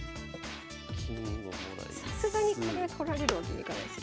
さすがにこれは取られるわけにいかないですよ。